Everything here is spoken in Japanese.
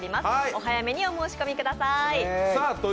お早めにお申し込みください。